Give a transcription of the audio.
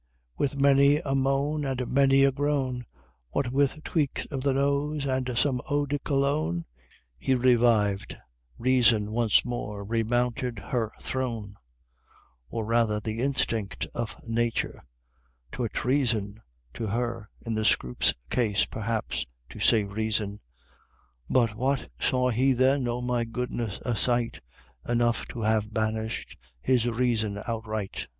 With many a moan, And many a groan, What with tweaks of the nose, and some eau de Cologne, He revived, Reason once more remounted her throne, Or rather the instinct of Nature 'twere treason To her, in the Scroope's case, perhaps, to say Reason But what saw he then Oh! my goodness! a sight Enough to have banished his reason outright!